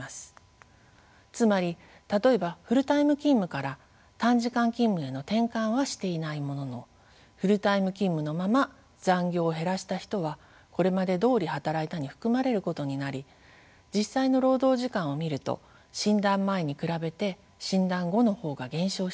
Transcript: つまり例えばフルタイム勤務から短時間勤務への転換はしていないもののフルタイム勤務のまま残業を減らした人は「これまでどおり働いた」に含まれることになり実際の労働時間を見ると診断前に比べて診断後の方が減少しています。